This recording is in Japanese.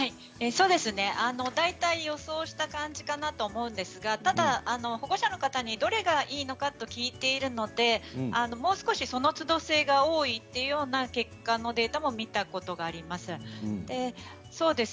大体、予想した感じかなと思うんですがただ保護者の方にどれがいいのかと聞いているのでもう少しその都度制が多いというような結果のデータも見たことがあります。